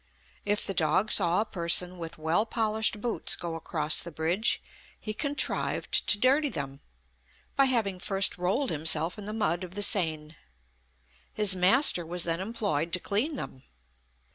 If the dog saw a person with well polished boots go across the bridge, he contrived to dirty them, by having first rolled himself in the mud of the Seine. His master was then employed to clean them.